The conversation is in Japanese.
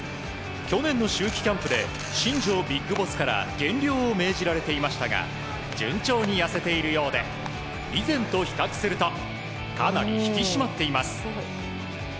去年の秋季キャンプで新庄ビッグボスから減量を命じられていましたが順調に痩せているようで以前と比較するとかなり引き締まっています。